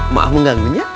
maaf mengganggu ya